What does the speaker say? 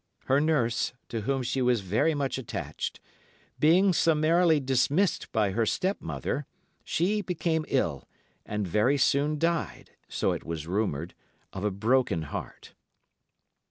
Her nurse, to whom she was very much attached, being summarily dismissed by her step mother, she became ill, and very soon died, so it was rumoured, of a broken heart.